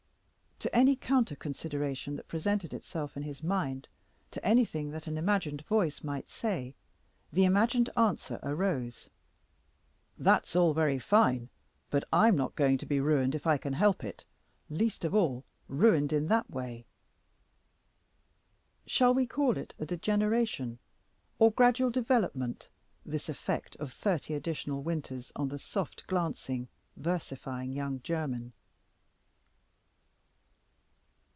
To any counter consideration that presented itself in his mind to anything that an imagined voice might say the imagined answer arose, "That's all very fine, but I'm not going to be ruined if I can help it least of all, ruined in that way." Shall we call it degeneration or gradual development this effect of thirty additional winters on the soft glancing, versifying young Jermyn?